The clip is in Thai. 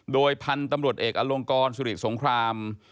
โดยพันธุ์ตำรวจเอกอลงกรสุริสงคราม